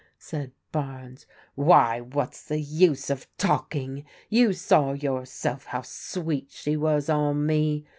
said Bames. " Why, what's the use of talking? You saw yourself how sweet she was on me.